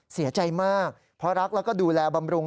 เสียใจมากเพราะรักแล้วก็ดูแลบำรุง